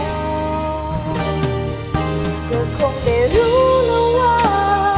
ก็คงได้รู้แล้วว่า